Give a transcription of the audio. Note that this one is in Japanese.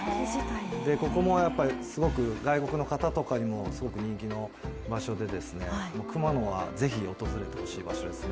ここもすごく外国の方とかにも人気の場所で熊野はぜひ、訪れてほしい場所ですね。